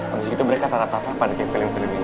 abis itu mereka tatap tatapan ke film film ini